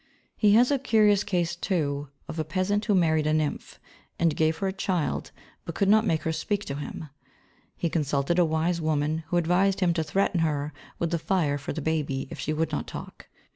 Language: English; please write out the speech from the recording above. He has a curious case, too, of a peasant who married a nymph and gave her a child but could not make her speak to him. He consulted a wise woman who advised him to threaten her with the fire for the baby if she would not talk.